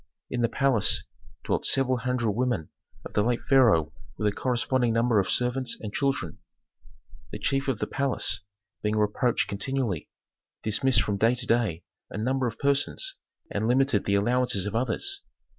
In the palace dwelt several hundred women of the late pharaoh with a corresponding number of servants and children. The chief of the palace, being reproached continually, dismissed from day to day a number of persons, and limited the allowances of others.